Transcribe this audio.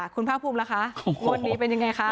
คุณภาคภูมิล่ะคะงวดนี้เป็นยังไงคะ